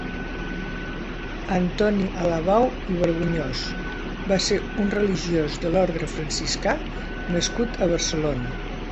Antoni Alabau i Vergonyós va ser un religiós de l'orde franciscà nascut a Barcelona.